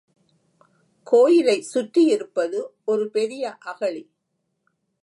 கோயிலைச் சுற்றியிருப்பது ஒரு பெரிய அகழி.